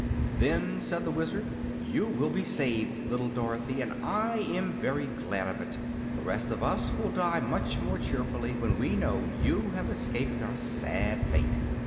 "Then," said the Wizard, "you will be saved, little Dorothy; and I am very glad of it. The rest of us will die much more cheerfully when we know you have escaped our sad fate."